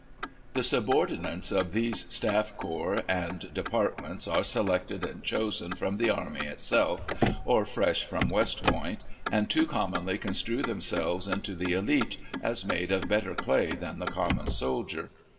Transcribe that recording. The subordinates of these staff corps and departments are selected and chosen from the army itself, or fresh from West Point, and too commonly construe themselves into the elite, as made of better clay than the common soldier.